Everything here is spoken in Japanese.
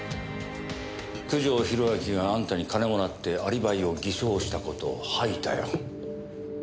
九条宏明があんたに金もらってアリバイを偽証した事を吐いたよ。